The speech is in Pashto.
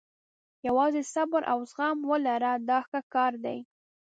یوازې صبر او زغم ولره دا ښه کار دی.